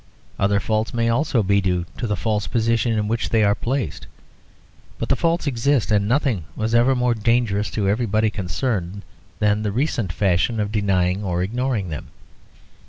Other faults may also be due to the false position in which they are placed. But the faults exist; and nothing was ever more dangerous to everybody concerned than the recent fashion of denying or ignoring them.